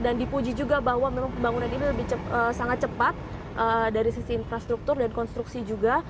dan dipuji juga bahwa memang pembangunan ini sangat cepat dari sisi infrastruktur dan konstruksi juga